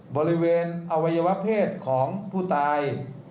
บริเวณอวัยวะเพศของผู้ตาย